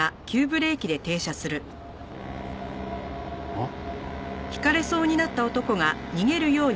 あっ？